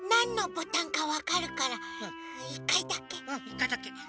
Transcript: １かいだけ。